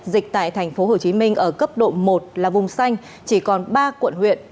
dịch tại tp hcm ở cấp độ một là vùng xanh